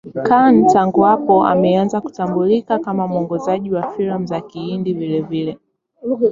Khan tangu hapo ameanza kutambulika kama mwongozaji wa filamu za Kihindi vilevile.